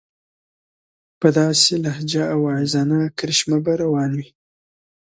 په داسې لهجه او واعظانه کرشمه به روان وي.